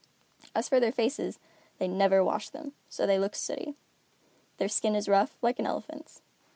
As for their faces, they never wash them, so they look sooty. Their skin is rough, like an elephant's.